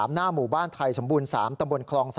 หน้าหมู่บ้านไทยสมบูรณ์๓ตำบลคลอง๓